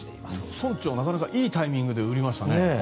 村長、なかなかいいタイミングで売りましたね。